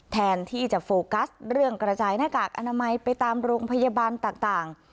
แทนที่จะโฟกัสเรื่องกระจายหน้ากากอนามัยไปตามโรงพยาบาลต่าง